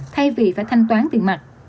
thay vì phải thanh toán tiền mặt